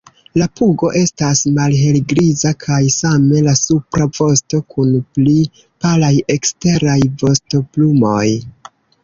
La pugo estas malhelgriza kaj same la supra vosto kun pli palaj eksteraj vostoplumoj.